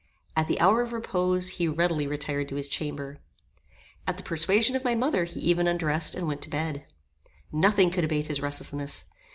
At the hour of repose he readily retired to his chamber. At the persuasion of my mother he even undressed and went to bed. Nothing could abate his restlessness.